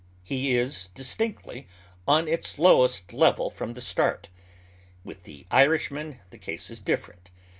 He is distinctly on its lowest level from the start. Witli the Irishman the case is difEerent.